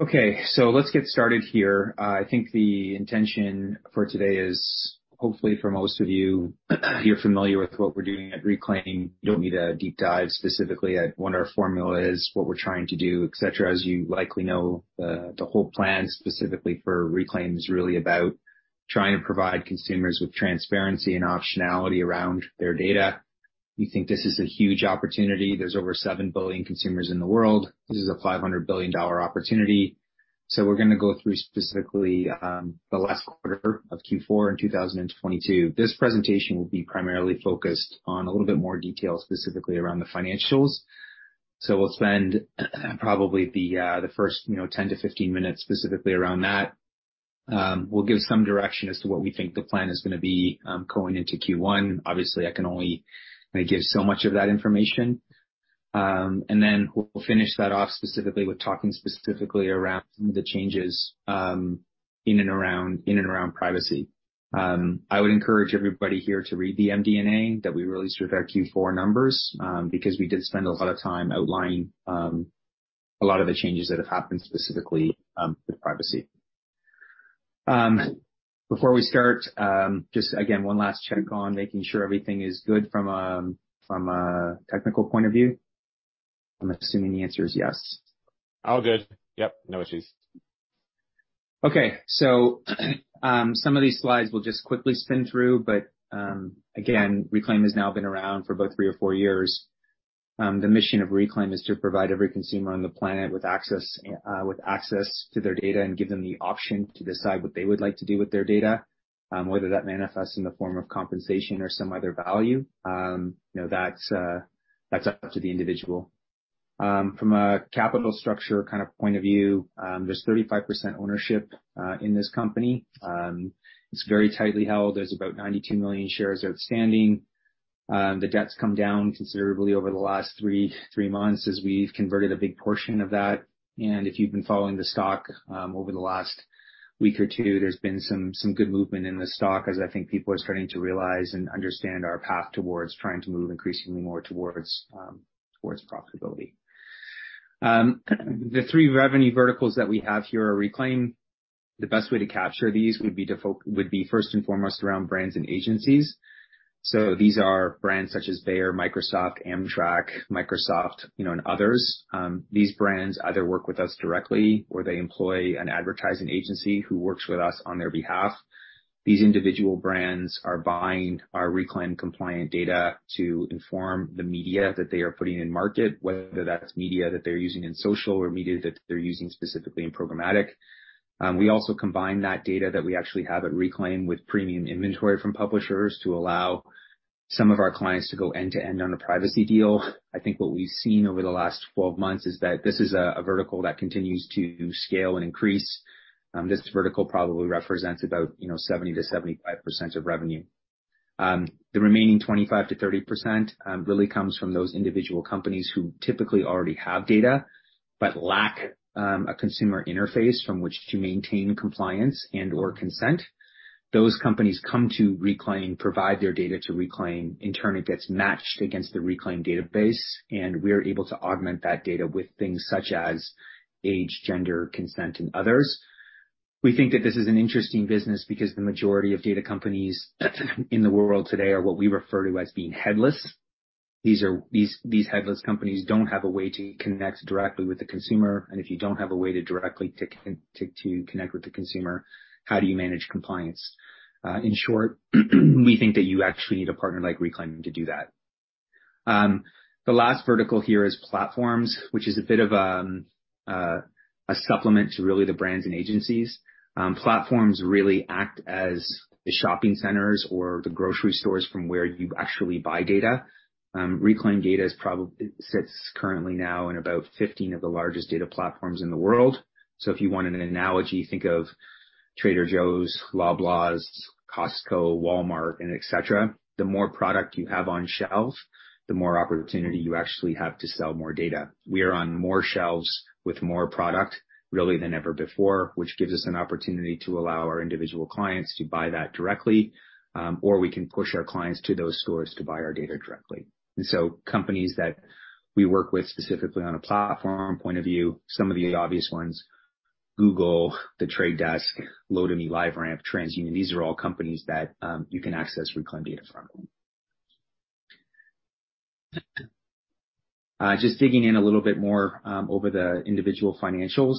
Okay, let's get started here. I think the intention for today is hopefully for most of you're familiar with what we're doing at Reklaim. You don't need a deep dive specifically at what our formula is, what we're trying to do, et cetera. As you likely know, the whole plan specifically for Reklaim is really about trying to provide consumers with transparency and optionality around their data. We think this is a huge opportunity. There's over 7 billion consumers in the world. This is a $500 billion opportunity. We're gonna go through specifically the last quarter of Q4 in 2022. This presentation will be primarily focused on a little bit more detail, specifically around the financials. We'll spend probably the first, you know, 10 to 15 minutes specifically around that. We'll give some direction as to what we think the plan is gonna be going into Q1. Obviously, I can only give so much of that information. Then we'll finish that off specifically with talking specifically around some of the changes in and around privacy. I would encourage everybody here to read the MD&A that we released with our Q4 numbers because we did spend a lot of time outlining a lot of the changes that have happened specifically with privacy. Before we start, just again, one last check on making sure everything is good from a technical point of view. I'm assuming the answer is yes. All good. Yep, no issues. Okay. Some of these slides we'll just quickly spin through. Reklaim has now been around for about three or four years. The mission of Reklaim is to provide every consumer on the planet with access to their data and give them the option to decide what they would like to do with their data, whether that manifests in the form of compensation or some other value. You know, that's up to the individual. From a capital structure kind of point of view, there's 35% ownership in this company. It's very tightly held. There's about 92 million shares outstanding. The debt's come down considerably over the last three months as we've converted a big portion of that. If you've been following the stock, over the last week or two, there's been some good movement in the stock as I think people are starting to realize and understand our path towards trying to move increasingly more towards profitability. The three revenue verticals that we have here at Reklaim, the best way to capture these would be first and foremost around brands and agencies. These are brands such as Bayer, Microsoft, Amtrak, you know, and others. These brands either work with us directly or they employ an advertising agency who works with us on their behalf. These individual brands are buying our Reklaim compliant data to inform the media that they are putting in market, whether that's media that they're using in social or media that they're using specifically in programmatic. We also combine that data that we actually have at Reklaim with premium inventory from publishers to allow some of our clients to go end-to-end on a privacy deal. I think what we've seen over the last 12 months is that this is a vertical that continues to scale and increase. This vertical probably represents about, you know, 70%-75% of revenue. The remaining 25%-30% really comes from those individual companies who typically already have data but lack a consumer interface from which to maintain compliance and/or consent. Those companies come to Reklaim, provide their data to Reklaim. In turn, it gets matched against the Reklaim database, and we are able to augment that data with things such as age, gender, consent, and others. We think that this is an interesting business because the majority of data companies in the world today are what we refer to as being headless. These headless companies don't have a way to connect directly with the consumer, and if you don't have a way to directly to connect with the consumer, how do you manage compliance? In short, we think that you actually need a partner like Reklaim to do that. The last vertical here is platforms, which is a bit of a supplement to really the brands and agencies. Platforms really act as the shopping centers or the grocery stores from where you actually buy data. Reklaim data sits currently now in about 15 of the largest data platforms in the world. If you want an analogy, think of Trader Joe's, Loblaws, Costco, Walmart, and et cetera. The more product you have on shelves, the more opportunity you actually have to sell more data. We are on more shelves with more product really than ever before, which gives us an opportunity to allow our individual clients to buy that directly, or we can push our clients to those stores to buy our data directly. Companies that we work with, specifically on a platform point of view, some of the obvious ones, Google, The Trade Desk, Lotame, LiveRamp, TransUnion, these are all companies that you can access Reklaim data from. Just digging in a little bit more over the individual financials.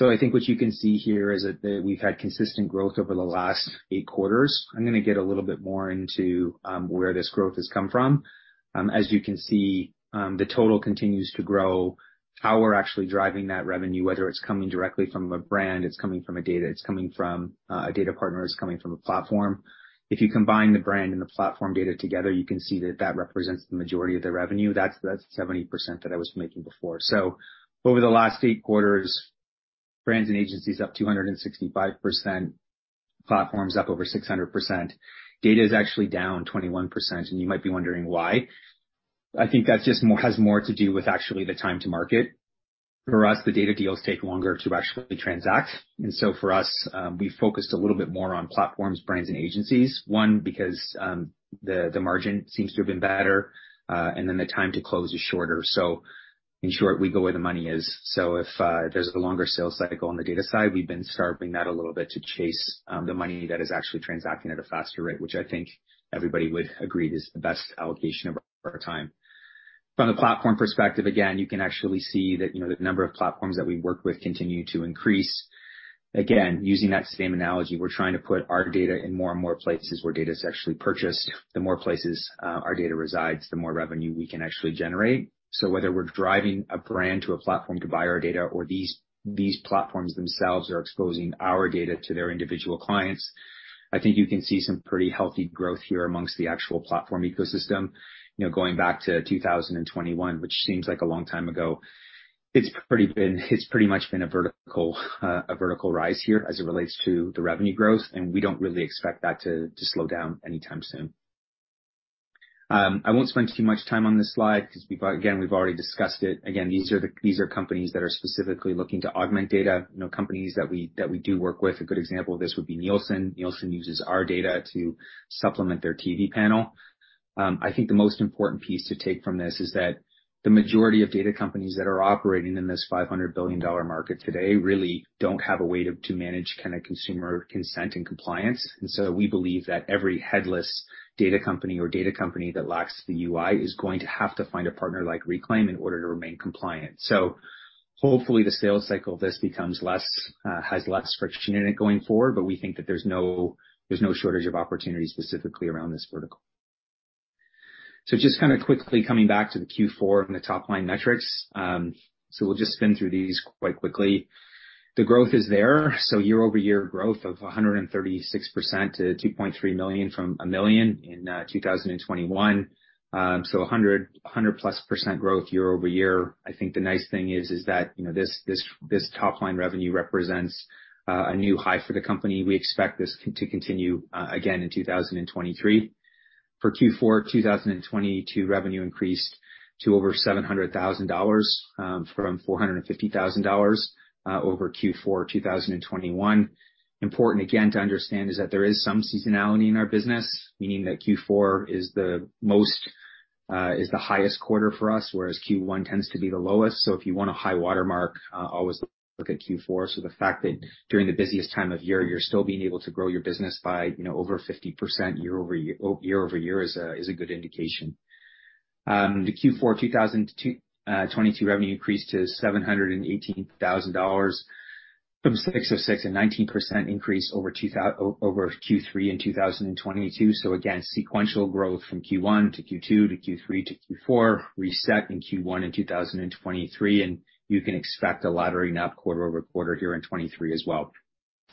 I think what you can see here is that we've had consistent growth over the last eight quarters. I'm gonna get a little bit more into where this growth has come from. As you can see, the total continues to grow. How we're actually driving that revenue, whether it's coming directly from a brand, it's coming from a data, it's coming from a data partner, it's coming from a platform. If you combine the brand and the platform data together, you can see that that represents the majority of the revenue. That's 70% that I was making before. Over the last eight quarters, brands and agencies up 265%, platforms up over 600%. Data is actually down 21%, and you might be wondering why. I think that just has more to do with actually the time to market. For us, the data deals take longer to actually transact. For us, we focused a little bit more on platforms, brands, and agencies. One, because the margin seems to have been better, and then the time to close is shorter. In short, we go where the money is. If there's a longer sales cycle on the data side, we've been starving that a little bit to chase the money that is actually transacting at a faster rate, which I think everybody would agree is the best allocation of our time. From the platform perspective, again, you can actually see that, you know, the number of platforms that we work with continue to increase. Again, using that same analogy, we're trying to put our data in more and more places where data is actually purchased. The more places our data resides, the more revenue we can actually generate. Whether we're driving a brand to a platform to buy our data or these platforms themselves are exposing our data to their individual clients, I think you can see some pretty healthy growth here amongst the actual platform ecosystem. You know, going back to 2021, which seems like a long time ago, it's pretty much been a vertical, a vertical rise here as it relates to the revenue growth, and we don't really expect that to slow down anytime soon. I won't spend too much time on this slide 'cause again, we've already discussed it. These are companies that are specifically looking to augment data, you know, companies that we do work with. A good example of this would be Nielsen. Nielsen uses our data to supplement their TV panel. I think the most important piece to take from this is that the majority of data companies that are operating in this $500 billion market today really don't have a way to manage kinda consumer consent and compliance. We believe that every headless data company or data company that lacks the UI is going to have to find a partner like Reklaim in order to remain compliant. Hopefully, the sales cycle of this becomes less, has less friction in it going forward, but we think that there's no shortage of opportunities specifically around this vertical. Just kinda quickly coming back to the Q4 and the top-line metrics. We'll just spin through these quite quickly. The growth is there. Year-over-year growth of 136% to 2.3 million from 1 million in 2021. 100%-plus growth year-over-year. I think the nice thing is that, you know, this top-line revenue represents a new high for the company. We expect this to continue again in 2023. For Q4 of 2022, revenue increased to over 700,000 dollars from 450,000 dollars over Q4 2021. Important, again, to understand is that there is some seasonality in our business, meaning that Q4 is the most, is the highest quarter for us, whereas Q1 tends to be the lowest. If you want a high-water mark, always look at Q4. The fact that during the busiest time of year, you're still being able to grow your business by over 50% year-over-year is a good indication. The Q4 2022 revenue increased to 718,000 dollars from 606,000, a 19% increase over Q3 2022. Again, sequential growth from Q1 to Q2 to Q3 to Q4, reset in Q1 2023, and you can expect a laddering up quarter-over-quarter here in 2023 as well.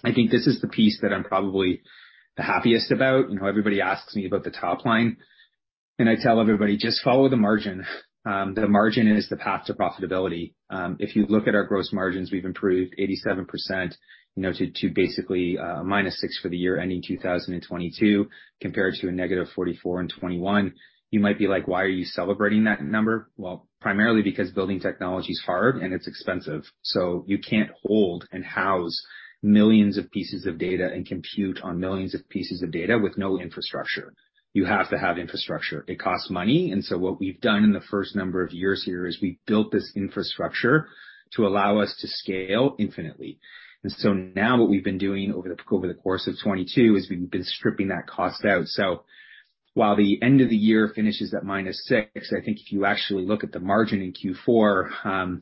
I think this is the piece that I'm probably the happiest about. Everybody asks me about the top line, and I tell everybody, "Just follow the margin. The margin is the path to profitability." If you look at our gross margins, we've improved 87% to basically -6% for the year ending 2022, compared to a -44% in 2021. You might be like, "Why are you celebrating that number?" Well, primarily because building technology is hard and it's expensive, so you can't hold and house millions of pieces of data and compute on millions of pieces of data with no infrastructure. You have to have infrastructure. It costs money, and so what we've done in the first number of years here is we've built this infrastructure to allow us to scale infinitely. Now what we've been doing over the course of 2022 is we've been stripping that cost out. While the end of the year finishes at -6%, I think if you actually look at the margin in Q4,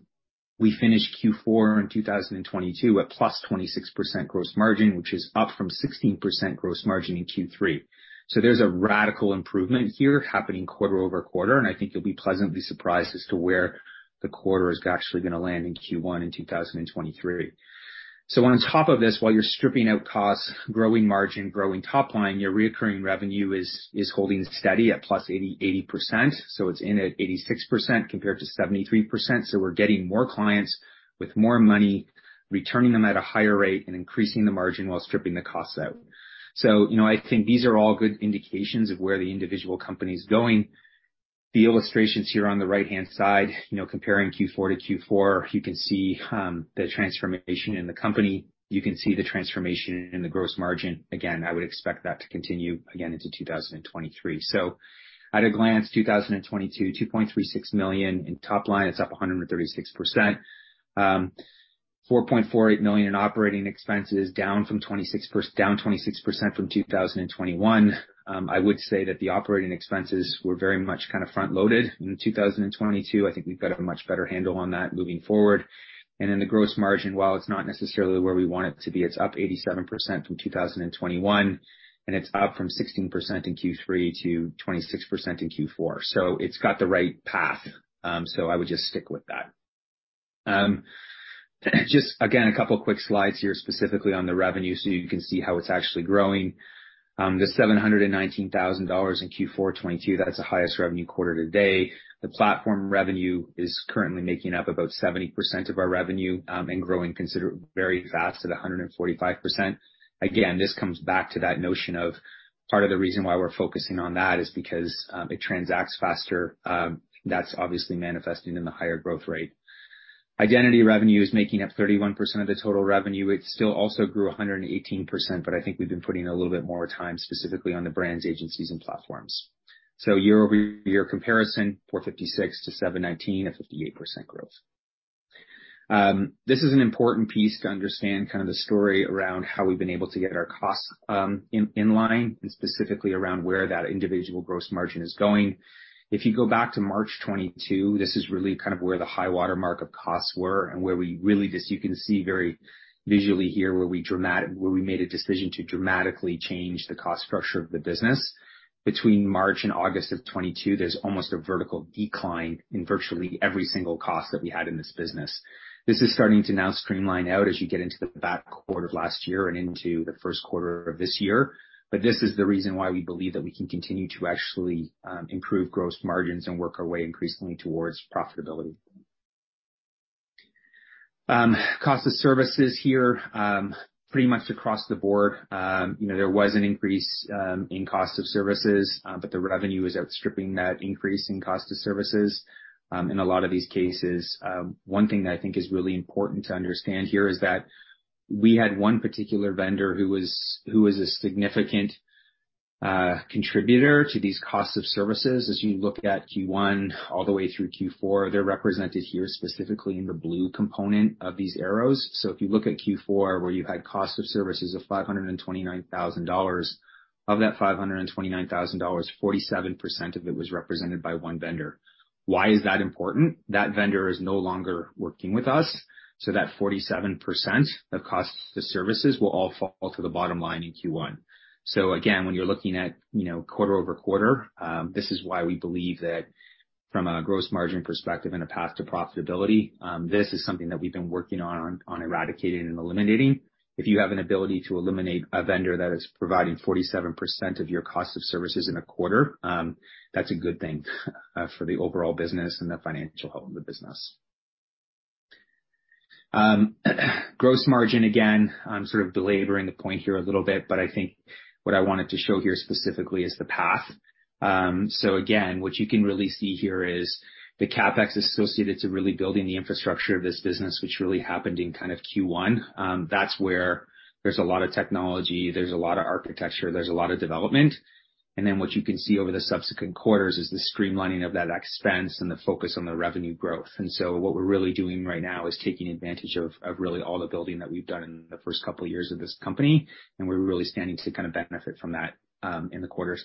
we finished Q4 in 2022 at +26% gross margin, which is up from 16% gross margin in Q3. There's a radical improvement here happening quarter-over-quarter, and I think you'll be pleasantly surprised as to where the quarter is actually gonna land in Q1 in 2023. On top of this, while you're stripping out costs, growing margin, growing top line, your reoccurring revenue is holding steady at +80%. It's in at 86% compared to 73%. We're getting more clients with more money, returning them at a higher rate and increasing the margin while stripping the costs out. You know, I think these are all good indications of where the individual company's going. The illustrations here on the right-hand side, you know, comparing Q4 to Q4, you can see the transformation in the company. You can see the transformation in the gross margin. Again, I would expect that to continue again into 2023. At a glance, 2022, 2.36 million in top line, it's up 136%. 4.48 million in operating expenses, down 26% from 2021. I would say that the operating expenses were very much kinda front-loaded in 2022. I think we've got a much better handle on that moving forward. The gross margin, while it's not necessarily where we want it to be, it's up 87% from 2021, and it's up from 16% in Q3 to 26% in Q4. It's got the right path. I would just stick with that. Just again, a couple quick slides here, specifically on the revenue, so you can see how it's actually growing. The 719,000 dollars in Q4 2022, that's the highest revenue quarter to date. The platform revenue is currently making up about 70% of our revenue, and growing very fast at 145%. Again, this comes back to that notion of part of the reason why we're focusing on that is because it transacts faster. That's obviously manifesting in the higher growth rate. Identity revenue is making up 31% of the total revenue. It still also grew 118%, I think we've been putting a little bit more time specifically on the brands, agencies, and platforms. Year-over-year comparison, 456 to 719 at 58% growth. This is an important piece to understand kind of the story around how we've been able to get our costs in line and specifically around where that individual gross margin is going. If you go back to March 2022, this is really kind of where the high water mark of costs were and where we really you can see very visually here where we made a decision to dramatically change the cost structure of the business. Between March and August of 2022, there's almost a vertical decline in virtually every single cost that we had in this business. This is starting to now streamline out as you get into the back quarter of last year and into the first quarter of this year. This is the reason why we believe that we can continue to actually improve gross margins and work our way increasingly towards profitability. Cost of services here, pretty much across the board. You know, there was an increase in cost of services, but the revenue is outstripping that increase in cost of services in a lot of these cases. One thing that I think is really important to understand here is that we had one particular vendor who was a significant contributor to these cost of services. As you look at Q1 all the way through Q4, they're represented here specifically in the blue component of these arrows. If you look at Q4 where you had cost of services of $529,000, of that $529,000, 47% of it was represented by one vendor. Why is that important? That vendor is no longer working with us, so that 47% of cost to services will all fall to the bottom line in Q1. Again, when you're looking at, you know, quarter-over-quarter, this is why we believe that from a gross margin perspective and a path to profitability, this is something that we've been working on eradicating and eliminating. If you have an ability to eliminate a vendor that is providing 47% of your cost of services in a quarter, that's a good thing for the overall business and the financial health of the business. Gross margin, again, I'm sort of belaboring the point here a little bit, but I think what I wanted to show here specifically is the path. Again, what you can really see here is the CapEx associated to really building the infrastructure of this business, which really happened in kind of Q1. That's where there's a lot of technology, there's a lot of architecture, there's a lot of development. What you can see over the subsequent quarters is the streamlining of that expense and the focus on the revenue growth. What we're really doing right now is taking advantage of really all the building that we've done in the first couple of years of this company, and we're really standing to kind of benefit from that in the quarters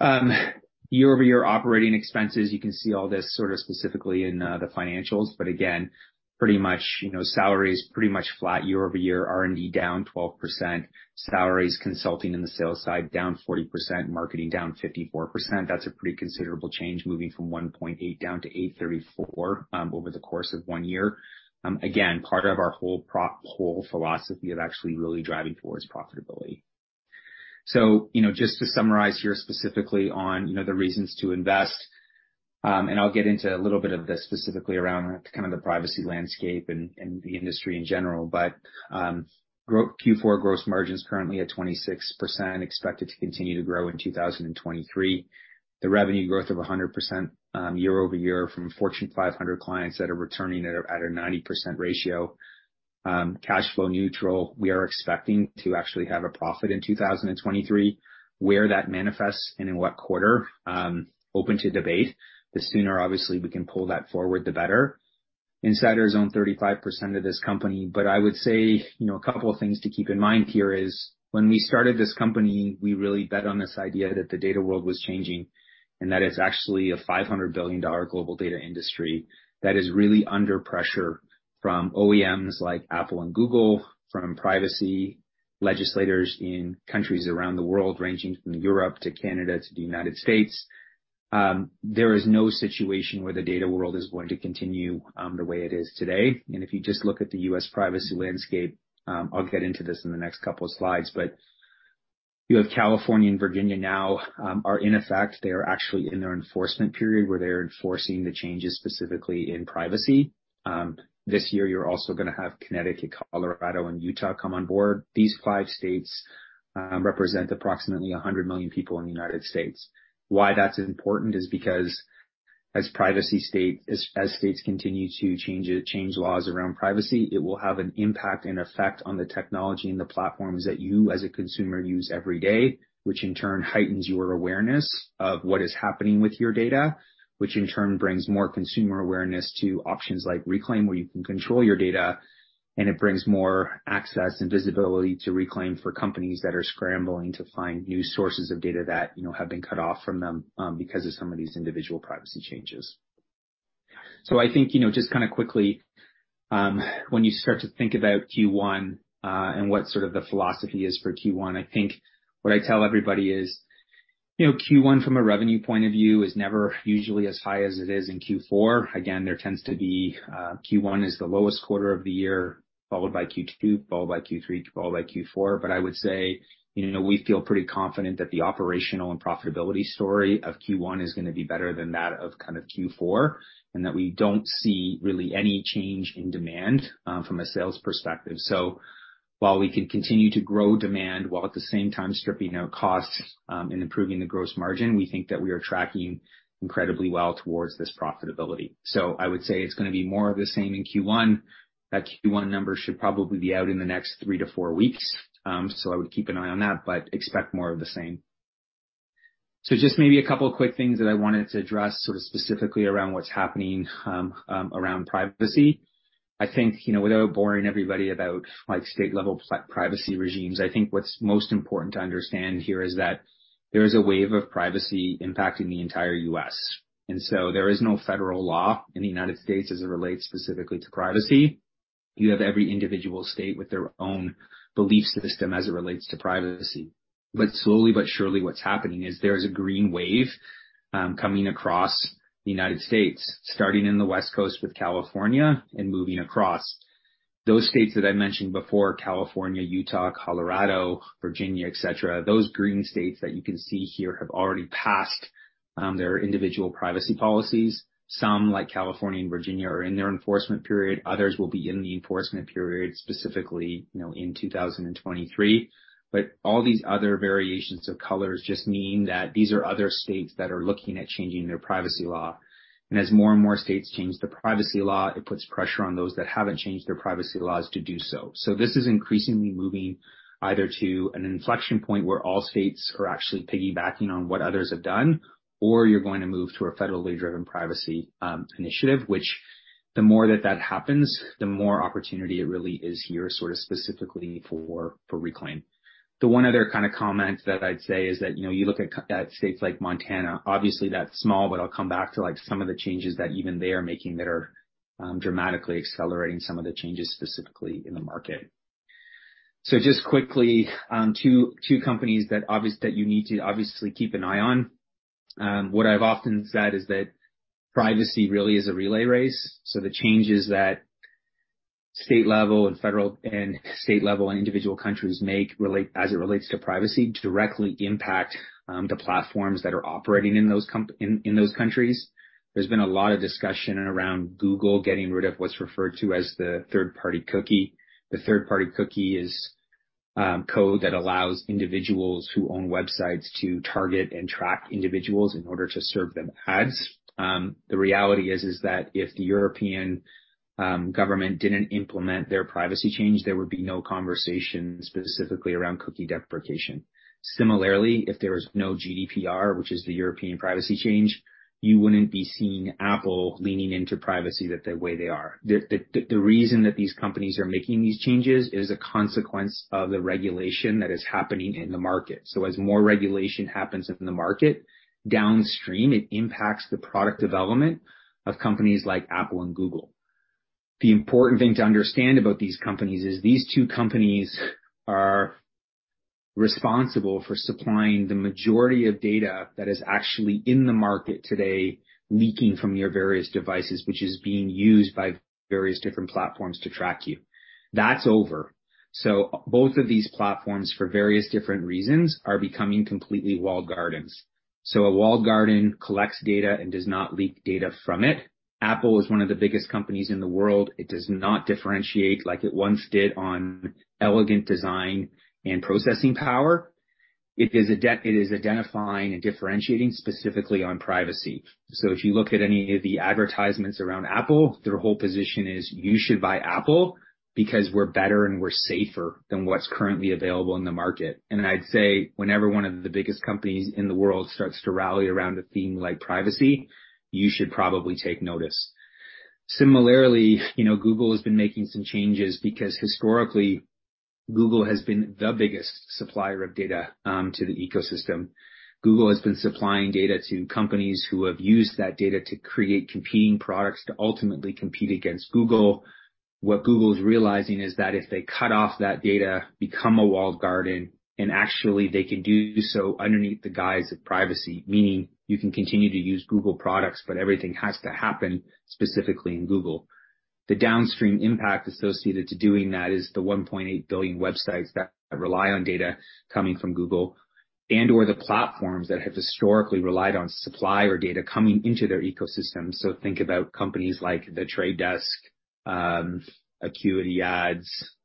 ahead. Year-over-year operating expenses, you can see all this sort of specifically in the financials, but again, pretty much, you know, salary is pretty much flat year-over-year, R&D down 12%, salaries, consulting in the sales side down 40%, marketing down 54%. That's a pretty considerable change, moving from 1.8 down to 834 over the course of one year. Again, part of our whole philosophy of actually really driving towards profitability. You know, just to summarize here specifically on, you know, the reasons to invest, and I'll get into a little bit of this specifically around kind of the privacy landscape and the industry in general. Q4 gross margin is currently at 26%, expected to continue to grow in 2023. The revenue growth of 100% year-over-year from Fortune 500 clients that are returning at a 90% ratio. Cash flow neutral, we are expecting to actually have a profit in 2023. Where that manifests and in what quarter, open to debate. The sooner obviously we can pull that forward, the better. Insiders own 35% of this company. I would say, you know, a couple of things to keep in mind here is when we started this company, we really bet on this idea that the data world was changing, and that it's actually a $500 billion global data industry that is really under pressure from OEMs like Apple and Google, from privacy legislators in countries around the world, ranging from Europe to Canada to the United States. There is no situation where the data world is going to continue the way it is today. If you just look at the U.S. privacy landscape, I'll get into this in the next couple of slides, you have California and Virginia now are in effect. They are actually in their enforcement period where they're enforcing the changes specifically in privacy. This year, you're also gonna have Connecticut, Colorado, and Utah come on board. These five states represent approximately 100 million people in the United States. Why that's important is because as states continue to change laws around privacy, it will have an impact and effect on the technology and the platforms that you, as a consumer, use every day, which in turn heightens your awareness of what is happening with your data, which in turn brings more consumer awareness to options like Reklaim, where you can control your data, and it brings more access and visibility to Reklaim for companies that are scrambling to find new sources of data that, you know, have been cut off from them because of some of these individual privacy changes. I think, you know, just kinda quickly, when you start to think about Q1, and what sort of the philosophy is for Q1, I think what I tell everybody is, you know, Q1 from a revenue point of view is never usually as high as it is in Q4. There tends to be, Q1 is the lowest quarter of the year, followed by Q2, followed by Q3, followed by Q4. I would say, you know, we feel pretty confident that the operational and profitability story of Q1 is gonna be better than that of kind of Q4, and that we don't see really any change in demand, from a sales perspective. While we can continue to grow demand while at the same time stripping out costs and improving the gross margin, we think that we are tracking incredibly well towards this profitability. I would say it's gonna be more of the same in Q1. That Q1 number should probably be out in the next three to four weeks, so I would keep an eye on that, but expect more of the same. Just maybe a couple of quick things that I wanted to address sort of specifically around what's happening around privacy. I think, you know, without boring everybody about like state level privacy regimes, I think what's most important to understand here is that there is a wave of privacy impacting the entire U.S. There is no federal law in the United States as it relates specifically to privacy. You have every individual state with their own belief system as it relates to privacy. Slowly but surely what's happening is there's a green wave coming across the United States, starting in the West Coast with California and moving across. Those states that I mentioned before, California, Utah, Colorado, Virginia, et cetera, those green states that you can see here have already passed their individual privacy policies. Some, like California and Virginia, are in their enforcement period. Others will be in the enforcement period, specifically, you know, in 2023. All these other variations of colors just mean that these are other states that are looking at changing their privacy law. As more and more states change the privacy law, it puts pressure on those that haven't changed their privacy laws to do so. This is increasingly moving either to an inflection point where all states are actually piggybacking on what others have done, or you're going to move to a federally driven privacy initiative, which the more that that happens, the more opportunity it really is here, sort of specifically for Reklaim. The one other kind of comment that I'd say is that, you know, you look at states like Montana, obviously that's small, but I'll come back to like some of the changes that even they are making that are dramatically accelerating some of the changes specifically in the market. Just quickly, two companies that you need to obviously keep an eye on. What I've often said is that privacy really is a relay race. The changes that state level and federal and state level and individual countries make as it relates to privacy directly impact the platforms that are operating in those countries. There's been a lot of discussion around Google getting rid of what's referred to as the third-party cookie. The third-party cookie is code that allows individuals who own websites to target and track individuals in order to serve them ads. The reality is that if the European government didn't implement their privacy change, there would be no conversation specifically around cookie deprecation. Similarly, if there was no GDPR, which is the European privacy change, you wouldn't be seeing Apple leaning into privacy the way they are. The reason that these companies are making these changes is a consequence of the regulation that is happening in the market. As more regulation happens in the market, downstream, it impacts the product development of companies like Apple and Google. The important thing to understand about these companies is these two companies are responsible for supplying the majority of data that is actually in the market today leaking from your various devices, which is being used by various different platforms to track you. That's over. Both of these platforms, for various different reasons, are becoming completely walled gardens. A walled garden collects data and does not leak data from it. Apple is one of the biggest companies in the world. It does not differentiate like it once did on elegant design and processing power. It is identifying and differentiating specifically on privacy. If you look at any of the advertisements around Apple, their whole position is, "You should buy Apple because we're better and we're safer than what's currently available in the market." I'd say whenever one of the biggest companies in the world starts to rally around a theme like privacy, you should probably take notice. Similarly, you know, Google has been making some changes because historically, Google has been the biggest supplier of data to the ecosystem. Google has been supplying data to companies who have used that data to create competing products to ultimately compete against Google. What Google is realizing is that if they cut off that data, become a walled garden, and actually they can do so underneath the guise of privacy, meaning you can continue to use Google products, but everything has to happen specifically in Google. The downstream impact associated to doing that is the 1.8 billion websites that rely on data coming from Google and/or the platforms that have historically relied on supply or data coming into their ecosystem. Think about companies like The Trade Desk, AcuityAds,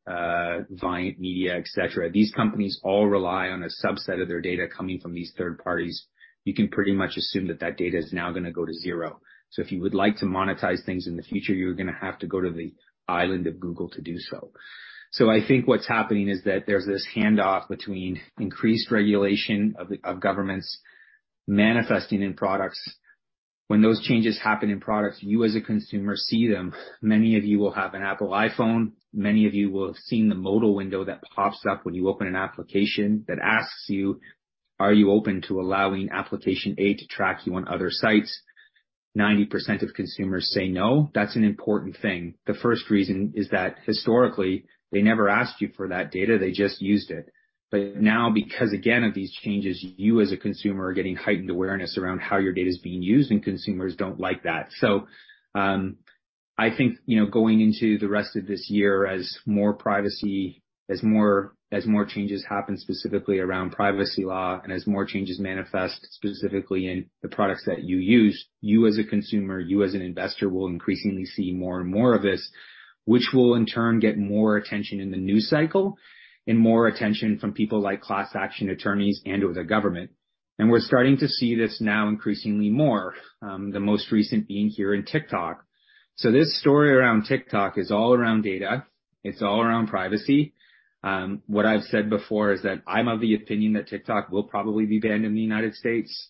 Viant Technology, et cetera. These companies all rely on a subset of their data coming from these third parties. You can pretty much assume that that data is now gonna go to zero. If you would like to monetize things in the future, you're gonna have to go to the island of Google to do so. I think what's happening is that there's this handoff between increased regulation of governments manifesting in products. When those changes happen in products, you as a consumer see them. Many of you will have an Apple iPhone. Many of you will have seen the modal window that pops up when you open an application that asks you, "Are you open to allowing application A to track you on other sites?" 90% of consumers say no. That's an important thing. The first reason is that historically, they never asked you for that data, they just used it. Now, because again, of these changes, you as a consumer are getting heightened awareness around how your data is being used, and consumers don't like that. I think, you know, going into the rest of this year as more privacy, as more changes happen specifically around privacy law and as more changes manifest specifically in the products that you use, you as a consumer, you as an investor will increasingly see more and more of this, which will in turn get more attention in the news cycle and more attention from people like class action attorneys and/or the government. We're starting to see this now increasingly more, the most recent being here in TikTok. This story around TikTok is all around data. It's all around privacy. What I've said before is that I'm of the opinion that TikTok will probably be banned in the United States.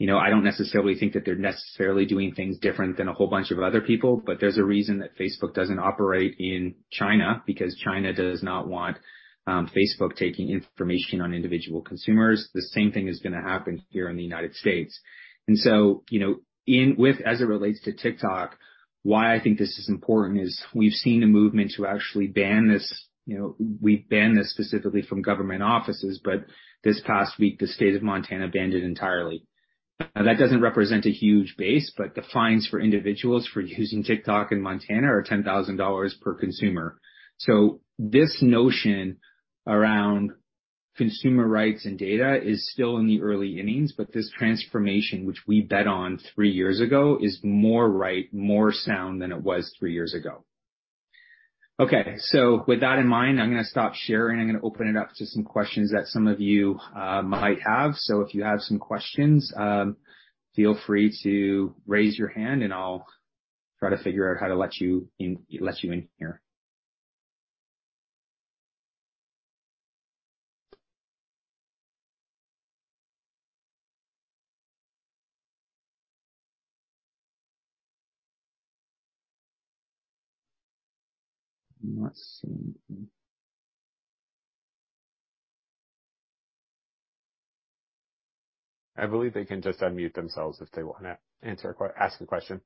You know, I don't necessarily think that they're necessarily doing things different than a whole bunch of other people, but there's a reason that Facebook doesn't operate in China, because China does not want Facebook taking information on individual consumers. The same thing is gonna happen here in the United States. You know, as it relates to TikTok, why I think this is important is we've seen a movement to actually ban this. You know, we've banned this specifically from government offices, but this past week, the state of Montana banned it entirely. Now, that doesn't represent a huge base, but the fines for individuals for using TikTok in Montana are $10,000 per consumer. This notion around consumer rights and data is still in the early innings, but this transformation, which we bet on three years ago, is more right, more sound than it was three years ago. With that in mind, I'm gonna stop sharing. I'm gonna open it up to some questions that some of you might have. If you have some questions, feel free to raise your hand, and I'll try to figure out how to let you in here. I'm not seeing anything. I believe they can just unmute themselves if they wanna ask the question.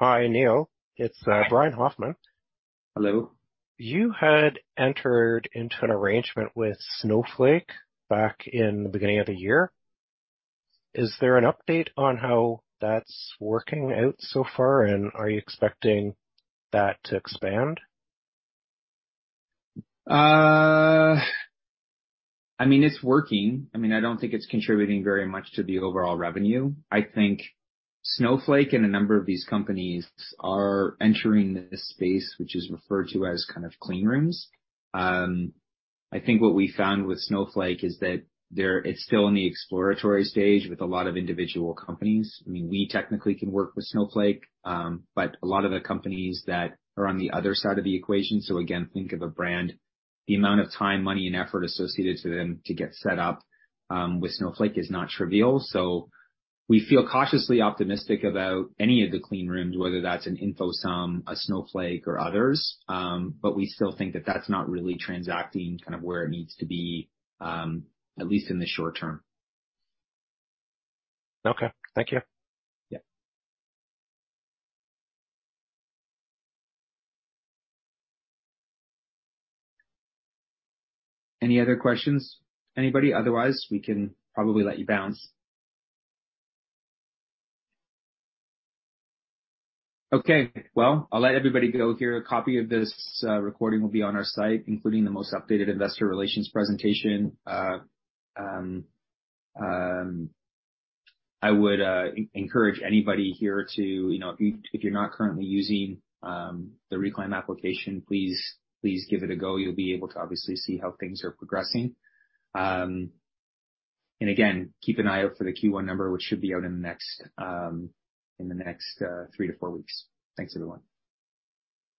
Hi, Neil. It's Brian Hoffman. Hello. You had entered into an arrangement with Snowflake back in the beginning of the year. Is there an update on how that's working out so far? Are you expecting that to expand? I mean, it's working. I mean, I don't think it's contributing very much to the overall revenue. I think Snowflake and a number of these companies are entering this space, which is referred to as kind of clean rooms. I think what we found with Snowflake is that it's still in the exploratory stage with a lot of individual companies. I mean, we technically can work with Snowflake, but a lot of the companies that are on the other side of the equation, so again, think of a brand, the amount of time, money and effort associated to them to get set up with Snowflake is not trivial. We feel cautiously optimistic about any of the clean rooms, whether that's an InfoSum, a Snowflake or others. We still think that that's not really transacting kind of where it needs to be, at least in the short term. Okay. Thank you. Yeah. Any other questions, anybody? Otherwise, we can probably let you bounce. Okay. Well, I'll let everybody go here. A copy of this recording will be on our site, including the most updated investor relations presentation. I would encourage anybody here to, you know, if you, if you're not currently using the Reklaim application, please give it a go. You'll be able to obviously see how things are progressing. And again, keep an eye out for the Q1 number, which should be out in the next, in the next, three to four weeks. Thanks, everyone.